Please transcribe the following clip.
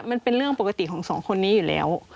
มันเป็นเรื่องปกติของสองคนนี้อยู่แล้ว